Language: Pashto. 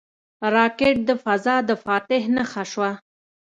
راکټ د فضا د فاتح نښه شوه